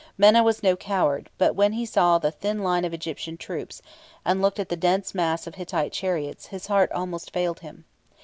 Menna was no coward, but when he saw the thin line of Egyptian troops, and looked at the dense mass of Hittite chariots, his heart almost failed him.